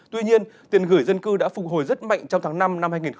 tuy nhiên tiền gửi dân cư đã phục hồi rất mạnh trong tháng năm năm hai nghìn hai mươi